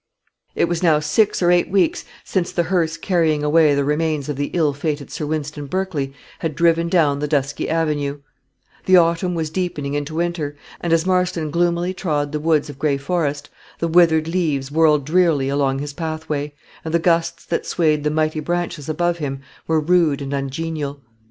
It was now six or eight weeks since the hearse carrying away the remains of the ill fated Sir Wynston Berkley had driven down the dusky avenue; the autumn was deepening into winter, and as Marston gloomily trod the woods of Gray Forest, the withered leaves whirled drearily along his pathway, and the gusts that swayed the mighty branches above him were rude and ungenial.